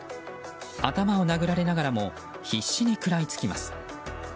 頭を殴られながらも必死に食らいつきます。